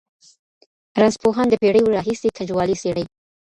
رنځپوهان د پېړیو راهېسې ګنجوالي څېړي.